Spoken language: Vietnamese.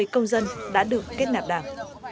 một mươi công dân đã được kết nạp đảm